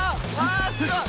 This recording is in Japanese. あすごい！